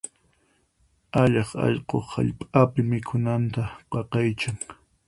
Allaq allqu hallp'api mikhunanta waqaychan.